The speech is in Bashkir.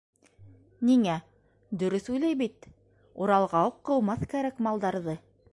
Ниңә, дөрөҫ уйлай бит, Уралға уҡ ҡыумаҫ кәрәк малдарҙы.